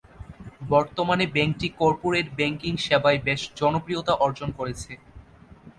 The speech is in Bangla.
বর্তমানে ব্যাংকটি কর্পোরেট ব্যাংকিং সেবায় বেশ জনপ্রিয়তা অর্জন করেছে।